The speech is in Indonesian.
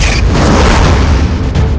searanya lima alesya saint grace